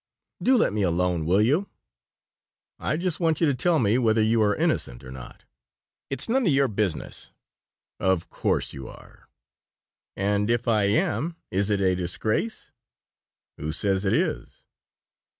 "Do let me alone, will you?" "I just want you to tell me whether you are innocent or not." "It's none of your business." "Of course you are." "And if I am? Is it a disgrace?" "Who says it is?"